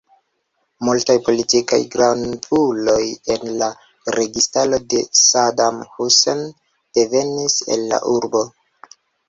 Multaj politikaj gravuloj en la registaro de Saddam Hussein devenis el la urbo.